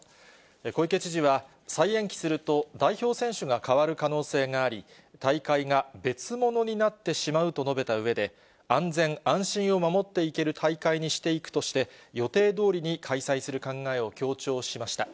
小池知事は、再延期すると代表選手が変わる可能性があり、大会が別物になってしまうと述べたうえで、安全安心を守っていける大会にしていくとして、予定どおりに開催する考えを強調しました。